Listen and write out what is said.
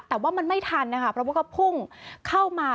แต่ว่ามันไม่ทันนะคะเพราะว่าเขาพุ่งเข้ามา